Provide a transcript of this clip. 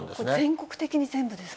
全国的に全部ですか？